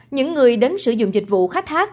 những người đến sử dụng dịch vụ khách hát